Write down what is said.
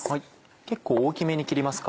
結構大きめに切りますか？